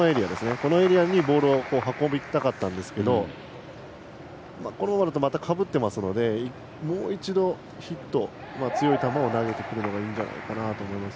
このエリアにボールを運びたかったんですけどこのままだとまたかぶっているのでもう一度、ヒット強い球を投げてくるのがいいんじゃないかなと思います。